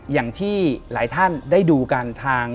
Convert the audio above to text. อย่างที่หลายท่านได้ดูกันทาง